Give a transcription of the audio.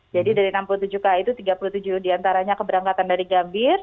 jadi dari enam puluh tujuh ka itu tiga puluh tujuh diantaranya keberangkatan dari gambir